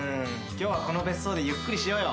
今日はこの別荘でゆっくりしようよ。